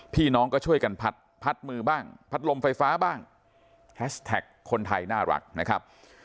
พี่น้องก็ช่วยกันพัดมือบ้างพัดลมไฟฟ้าบ้างแฮชแท็กคนไทยน่ารักนะครับ